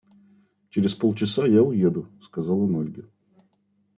– Через полчаса я уеду, – сказал он Ольге.